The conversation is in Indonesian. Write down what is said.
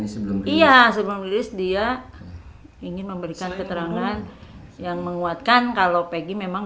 sebelum iya sebelum list dia ingin memberikan keterangan yang menguatkan kalau peggy memang